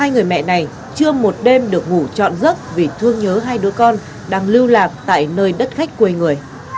hai người mẹ này chưa một đêm được ngủ trọn giấc vì thương nhớ hai đứa con đang lưu lạc tại nơi đất khách quê người